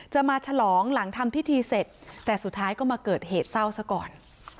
มาฉลองหลังทำพิธีเสร็จแต่สุดท้ายก็มาเกิดเหตุเศร้าซะก่อน